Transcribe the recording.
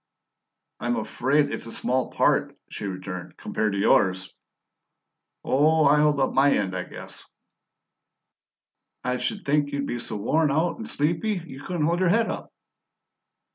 "I'm afraid it's a small part," she returned, "compared to yours." "Oh, I hold my end up, I guess." "I should think you'd be so worn out and sleepy you couldn't hold your head up!"